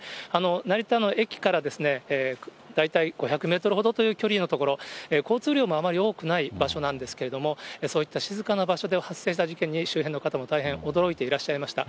成田の駅から、大体５００メートルほどという距離の所、交通量もあまり多くない場所なんですけれども、そういった静かな場所で発生した事件に、周辺の方も大変驚いていらっしゃいました。